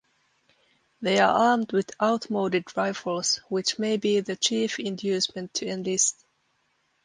They are armed with outmoded rifles, which may be the chief inducement to enlist.